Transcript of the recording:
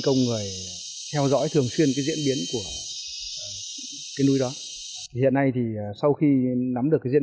công người theo dõi thường xuyên cái diễn biến của cái núi đó thì hiện nay thì sau khi nắm được cái diễn